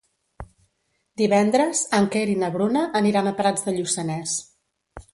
Divendres en Quer i na Bruna aniran a Prats de Lluçanès.